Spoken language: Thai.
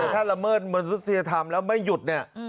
แต่ถ้าละเมิดมนุษยธรรมแล้วไม่หยุดเนี่ย